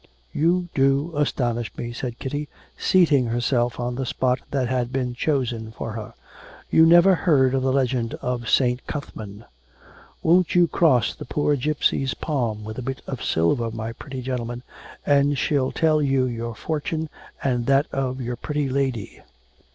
'You do astonish me,' said Kitty, seating herself on the spot that had been chosen for her. 'You never heard of the legend of St. Cuthman!' 'Won't you cross the poor gipsy's palm with a bit of silver, my pretty gentleman, and she'll tell you your fortune and that of your pretty lady.'